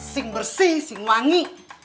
sing bersih sing wangi